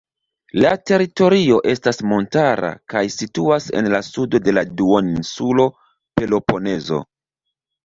La teritorio estas montara kaj situas en la sudo de la duoninsulo Peloponezo.